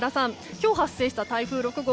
今日発生した台風６号